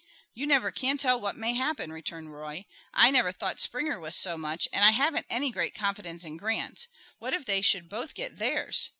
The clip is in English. "You never can tell what may happen," returned Roy. "I never thought Springer was so much, and I haven't any great confidence in Grant. What if they should both get theirs?